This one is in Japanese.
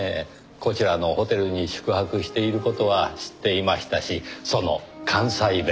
こちらのホテルに宿泊している事は知っていましたしその関西弁。